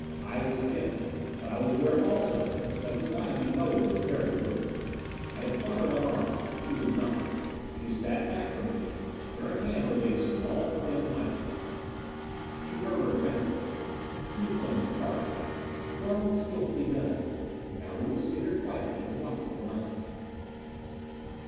I was tense. But I was aware also, that beside me Moa was very alert. I had thought her unarmed. She was not. She sat back from me; in her hand was a small thin knife blade. She murmured tensely, "You have done your part, Gregg. Well and skillfully done. Now we will sit here quietly and watch them land."